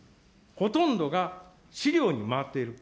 ほとんどが飼料に回っている。